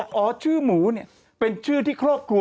บอกอ๋อชื่อหมูเป็นชื่อที่ครอบครัว